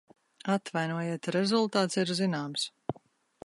Atvainojiet, rezultāts ir zināms.